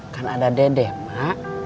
kan ada dedek emak